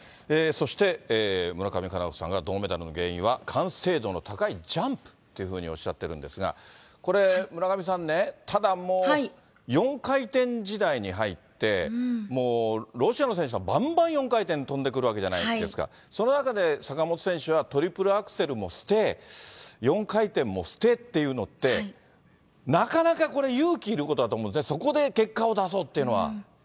そして村上佳菜子さんが、銅メダルの原因は完成度の高いジャンプっていうふうにおっしゃってるんですが、これ、村上さんね、ただ、もう４回転時代に入って、もうロシアの選手がばんばん４回転跳んでくるわけじゃないですか、その中で、坂本選手はトリプルアクセルも捨て、４回転も捨てっていうのって、なかなかこれ、勇気いることだと思うんですね、そこで結果を出そうっていうのは。